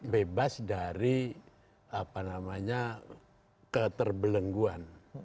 bebas dari apa namanya keterbelengguan